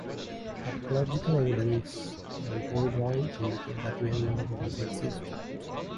Archaeological evidence and old drawings indicate that many more once existed.